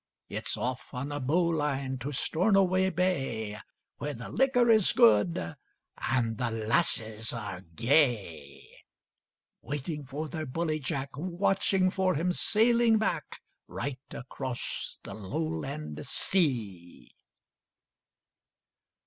It's off on a bowline to Stornoway Bay, Where the liquor is good and the lasses are gay: Waiting for their bully Jack, Watching for him sailing back, Right across the Lowland sea.